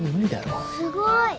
すごーい。